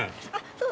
そう。